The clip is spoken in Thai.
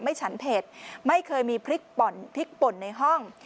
ไม่ฉันเผ็ดไม่เคยมีพลิกปนในห้อง